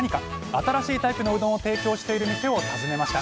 新しいタイプのうどんを提供している店を訪ねました